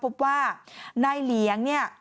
พบว่านายเหลียงเนี่ย